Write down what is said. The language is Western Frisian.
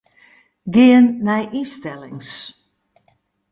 Gean nei ynstellings.